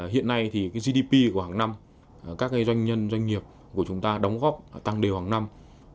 hiện nay thì gdp của hàng năm các doanh nhân doanh nghiệp của chúng ta đóng góp tăng đều hàng năm